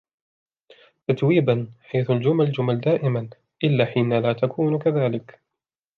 تتويبا: حيث الجمل جمل دائمًا ، إلا حين لا تكون كذلك.